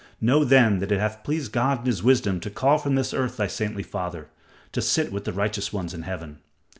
Know then that it hath pleased God in his wisdom to call from this earth thy saintly father, to sit with the righteous ones in Heaven.